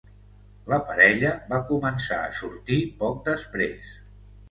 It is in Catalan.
La parella va començar a sortir poc després.